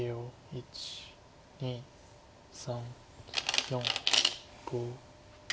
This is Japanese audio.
１２３４５。